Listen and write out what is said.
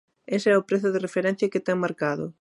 Ese é o prezo de referencia que ten marcado.